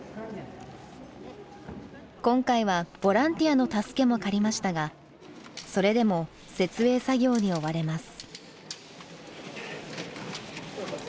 今回はボランティアの助けも借りましたがそれでも設営作業に追われます。